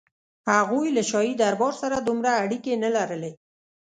هغوی له شاهي دربار سره دومره اړیکې نه لرلې.